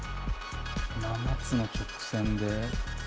７つの直線で。